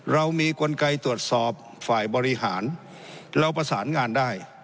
เรามีกลไกตรวจสอบฝ่ายบริหารเราประสานงานได้